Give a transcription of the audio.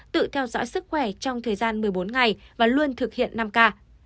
tự theo dõi sức khỏe trong thời gian một mươi bốn ngày và luôn thực hiện năm k